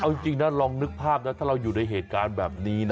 เอาจริงนะลองนึกภาพนะถ้าเราอยู่ในเหตุการณ์แบบนี้นะ